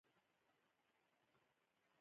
ما د پیرود کارت له ځان سره راوړی و.